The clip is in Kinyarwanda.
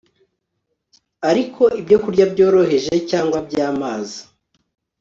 Ariko ibyokurya byoroheje cyangwa byamazi